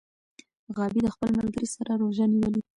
غابي د خپل ملګري سره روژه نیولې.